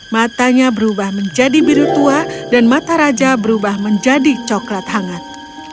matanya berubah menjadi biru tua dan mata raja berubah menjadi coklat hangat